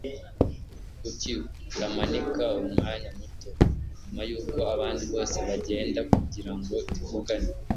Kuki utamanika umwanya muto nyuma yuko abandi bose bagenda kugirango tuvugane?